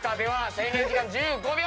制限時間１５秒。